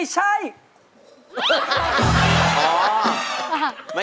แหละ